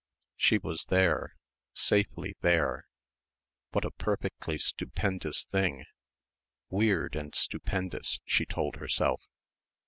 She was there, safely there what a perfectly stupendous thing "weird and stupendous" she told herself.